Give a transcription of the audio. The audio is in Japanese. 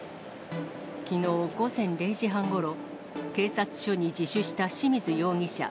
きのう午前０時半ごろ、警察署に自首した志水容疑者。